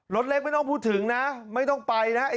รถเล็กไม่ต้องพูดถึงนะไม่ต้องไปนะ